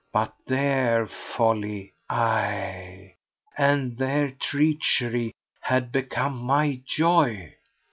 But their folly—aye! and their treachery—had become my joy.